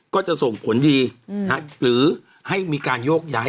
ก็จะส่งผลดีหรือให้มีการโยกย้าย